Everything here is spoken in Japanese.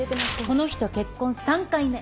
この人結婚３回目。